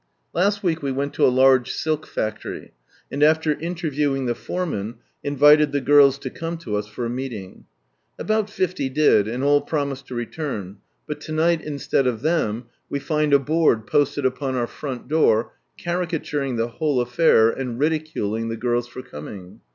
Last week we went to a large silk factory, and after interviewing the foreman, invited the girls to come lo us for a meeting. About fifty did, and all promised to return ; but to night instead of them, we find a board posted upon our front door, caricaturing the whole affair, and ridiculing the girls for coming.